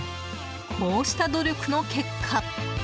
こうした努力の結果